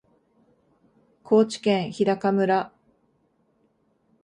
高知県日高村